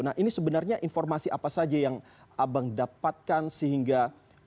nah ini sebenarnya informasi apa saja yang abang dapatkan sehingga